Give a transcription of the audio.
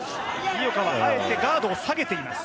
井岡はあえてガードを下げています。